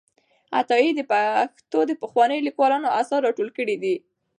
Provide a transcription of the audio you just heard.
عطایي د پښتو د پخوانیو لیکوالو آثار راټول کړي دي.